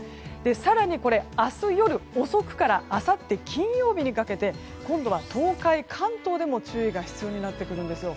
更に、明日夜遅くからあさって金曜日にかけて今度は東海、関東でも注意が必要になってくるんですよ。